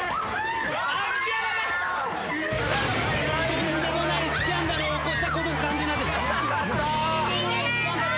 とんでもないスキャンダルを起こした感じになってる。